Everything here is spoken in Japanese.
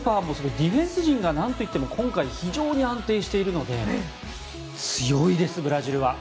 ディフェンス陣がなんといっても非常に安定しているので強いです、ブラジルは。